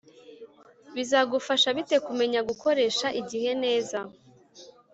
bizagufasha bite kumenya gukoresha igihe neza